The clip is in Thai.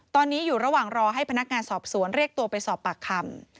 ตอนนี้อยู่ระหว่างรอให้พนักงานสอบสวนเรียกตัวไปสอบปากคำ